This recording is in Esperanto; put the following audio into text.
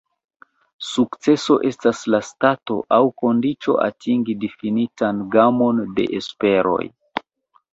Sukceso estas la stato aŭ kondiĉo atingi difinitan gamon de esperoj.